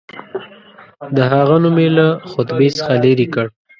د هغه نوم یې له خطبې څخه لیري کړ.